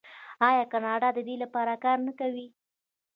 آیا کاناډا د دې لپاره کار نه کوي؟